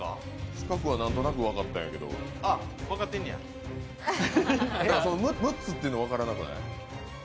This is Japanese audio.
□は何となく分かってるんやけど、その６つってのが分からなくない？